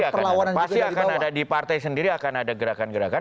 ya pasti akan ada di partai sendiri akan ada gerakan gerakan